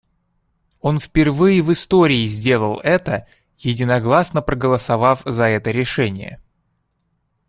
Он впервые в истории сделал это, единогласно проголосовав за это решение.